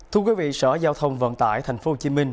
thưa quý vị sở giao thông vận tải tp hcm